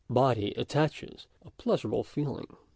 body attaches a pleasurable feeling.